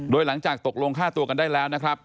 โดยหลังจากตกลงฆ่าตัวกันได้แล้วนะครับ